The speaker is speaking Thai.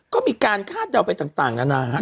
ก็มีการคาดเดาไปต่างนานาฮะ